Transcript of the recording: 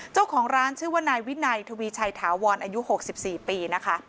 เจ้าของร้านชื่อว่านายวินัยทวีชัยถาวรอายุ๖๔ปีนะคะ